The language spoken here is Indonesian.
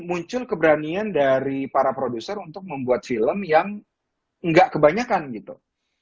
muncul keberanian dari para produser untuk membuat film yang nggak kebanyakan gitu